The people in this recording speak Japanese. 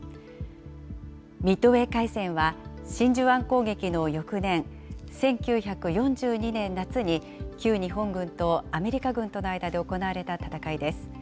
ミッドウェー海戦は真珠湾攻撃の翌年、１９４２年夏に、旧日本軍とアメリカ軍との間で行われた戦いです。